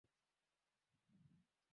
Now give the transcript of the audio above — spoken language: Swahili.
Wale ni wafupi